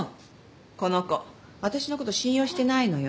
この子私のこと信用してないのよ。